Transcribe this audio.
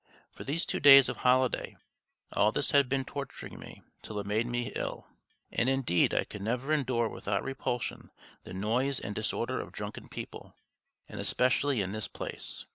For these two days of holiday all this had been torturing me till it made me ill. And indeed I could never endure without repulsion the noise and disorder of drunken people, and especially in this place.